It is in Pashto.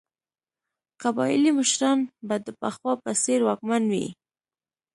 قبایلي مشران به د پخوا په څېر واکمن وي.